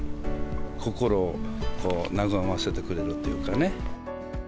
心を和ませてくれるっていうかね。